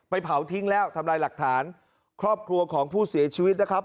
เผาทิ้งแล้วทำลายหลักฐานครอบครัวของผู้เสียชีวิตนะครับ